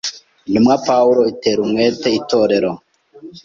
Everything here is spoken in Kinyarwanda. Intumwa Pawulo itera umwete itorero